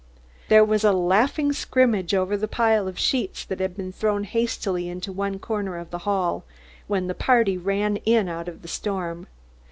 There was a laughing scrimmage over the pile of sheets that had been thrown hastily into one corner of the hall, when the party ran in out of the storm.